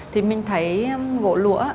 thì mình thấy gỗ lũa